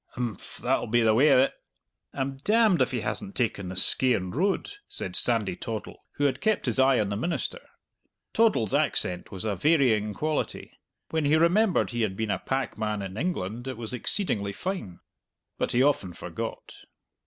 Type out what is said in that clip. "Imph, that'll be the way o't." "I'm demned if he hasn't taken the Skeighan Road!" said Sandy Toddle, who had kept his eye on the minister. Toddle's accent was a varying quality. When he remembered he had been a packman in England it was exceedingly fine. But he often forgot.